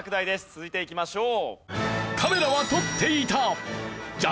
続いていきましょう。